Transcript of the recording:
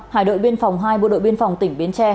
hải đội biên phòng hai bộ đội biên phòng tỉnh bến tre